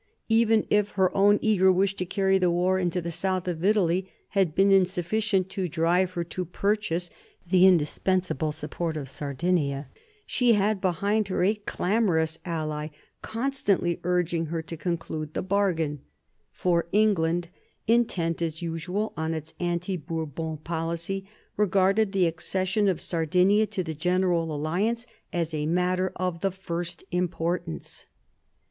Even if her own eager wish to carry the war into the south of Italy had been insufficient to drive her to purchase the indispensable support of Sardinia, she had behind her a clamorous ally constantly urging her to conclude the bargain; for England, intent as usual on its anti Bourbon policy, regarded the accession of Sardinia to the general alliance as a matter of the first importance.